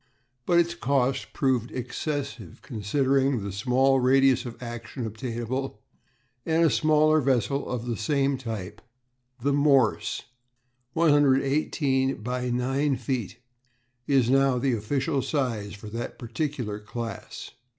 But its cost proved excessive considering the small radius of action obtainable, and a smaller vessel of the same type, the Morse (118 × 9 feet), is now the official size for that particular class.